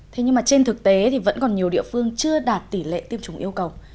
thế nhưng mà trên thực tế thì vẫn còn nhiều địa phương chưa đạt tỷ lệ tiêm chủng yêu cầu